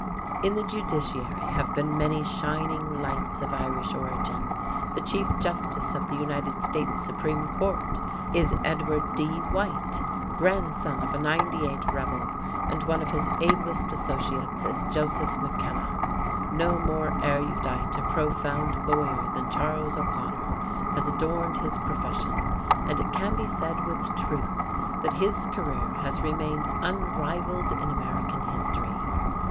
In the judiciary have been many shining lights of Irish origin. The Chief Justice of the United States Supreme Court is Edward D. White, grandson of a '98 rebel, and one of his ablest associates is Joseph McKenna. No more erudite or profound lawyer than Charles O'Conor has adorned his profession and it can be said with truth that his career has remained unrivalled in American history.